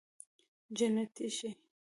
جنتي شې